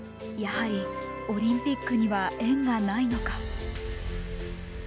やはりオリンピックには縁がないのか。